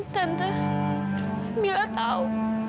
tante mila tahu